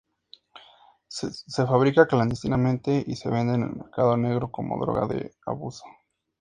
Se fabrica clandestinamente y se vende en el mercado negro como droga de abuso.